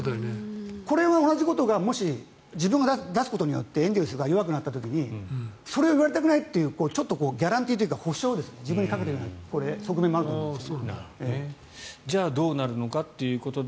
これと同じことがもし自分が出すことによってエンゼルスが弱くなった時にそれを言われたくないというちょっとギャランティーというか保証を自分にかけている側面もあると思います。